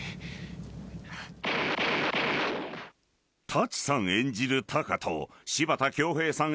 ［舘さん演じるタカと柴田恭兵さん